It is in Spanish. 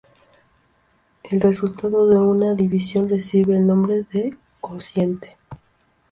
El resultado de una división recibe el nombre de cociente.